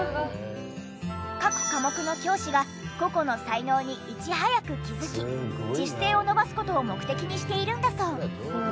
各科目の教師が個々の才能にいち早く気づき自主性を伸ばす事を目的にしているんだそう。